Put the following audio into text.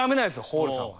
ホールさんは。